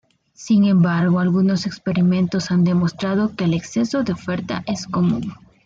Sin embargo, algunos experimentos han demostrado que el exceso de oferta es común.